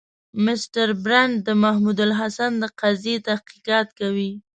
مسټر برن د محمودالحسن د قضیې تحقیقات کوي.